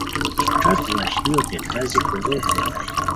ݯت وشلیوتے ڈازی کورے ریتائے